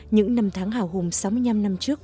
những năm tháng hào hùng sáu mươi năm năm trước